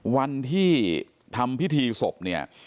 วันที่ทำพิธีศพเนี่ย